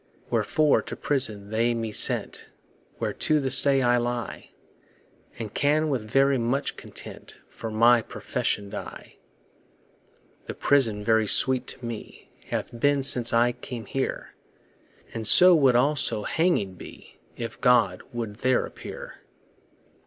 Wherefore to prison they me sent, Where to this day I lie; And can with very much content For my profession die. The prison very sweet to me Hath been since I came here, And so would also hanging be, If God would there appear.